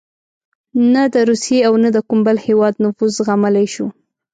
نه د روسیې او نه د کوم بل هېواد نفوذ زغملای شو.